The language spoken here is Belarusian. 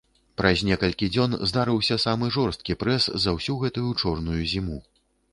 Праз некалькі дзён здарыўся самы жорсткі прэс за ўсю гэтую чорную зіму.